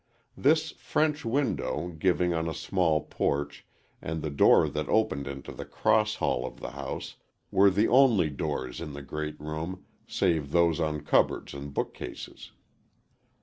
This French window, giving on a small porch, and the door that opened into the cross hall of the house were the only doors in the great room, save those on cupboards and bookcases.